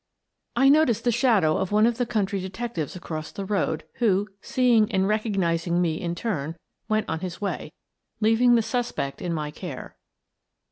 I noticed the shadow of one of the county detec tives across the road, who, seeing and recognizing me in turn, went on his way, leaving the suspect in my care.